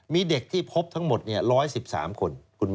มีเด็กที่พบทั้งหมด๑๑๓คน